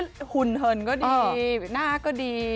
หุ่นเหินก็ดีหน้าก็ดี